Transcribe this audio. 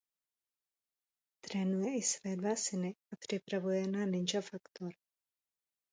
Trénuje i své dva syny a připravuje je na Ninja faktor.